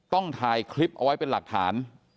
ต้องถ่ายคลิปเอาไว้เป็นหลักฐาน